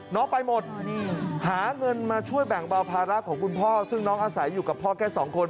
น้องไปหมดหาเงินมาช่วยแบ่งเบาภาระของคุณพ่อซึ่งน้องอาศัยอยู่กับพ่อแค่สองคน